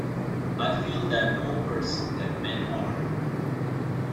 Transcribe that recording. I feel they're no worse than men are.